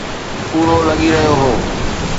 پورو لڳي رهيو هو.